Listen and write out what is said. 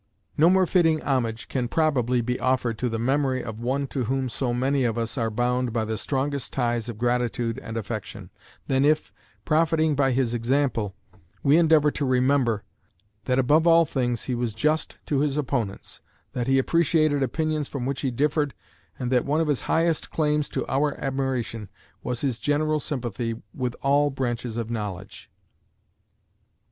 No more fitting homage can probably be offered to the memory of one to whom so many of us are bound by the strongest ties of gratitude and affection, than if, profiting by his example, we endeavor to remember, that above all things he was just to his opponents, that he appreciated opinions from which he differed, and that one of his highest claims to our admiration was his general sympathy with all branches of knowledge.